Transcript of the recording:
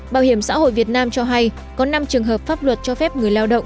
bảo hiểm xã hội việt nam cho hay có năm trường hợp pháp luật cho phép người lao động